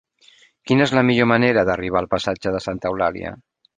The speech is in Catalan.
Quina és la millor manera d'arribar al passatge de Santa Eulàlia?